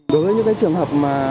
đối với những trường hợp